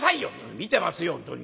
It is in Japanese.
「見てますよ本当に」。